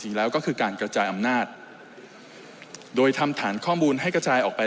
แล้วก็คือการกระจายอำนาจโดยทำฐานข้อมูลให้กระจายออกไป